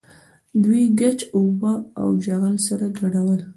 دوی ګچ او اوبه او چغل سره ګډول.